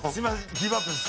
ギブアップです。